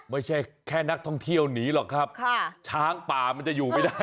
ไม่ใช่แค่นักท่องเที่ยวหนีหรอกครับค่ะช้างป่ามันจะอยู่ไม่ได้